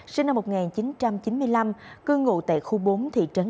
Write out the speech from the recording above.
sinh năm một nghìn chín trăm chín mươi năm cư ngụ tại khu bốn thị trấn